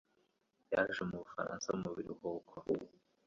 Yaje mu Bufaransa mu biruhuko.